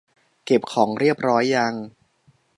เก็บของเรียบร้อยยัง